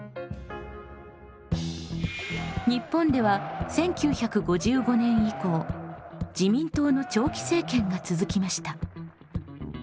日本では１９５５年以降自民党の長期政権が続きました。